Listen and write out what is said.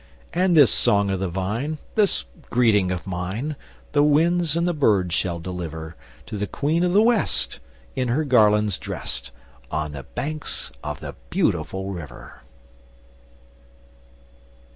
And this Song of the Vine, This greeting of mine, The winds and the birds shall deliver To the Queen of the West, In her garlands dressed, On the banks of the Beautiful River.